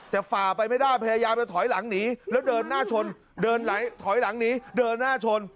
แต่ฝ่าไปไม่ได้พยายามจะถอยหลังหนีแล้วเดินหน้าชนเดินถอยหลังหนีเดินหน้าชน